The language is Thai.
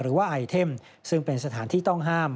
หรือว่าไอเทมซึ่งเป็นสถานที่ต้องห้าม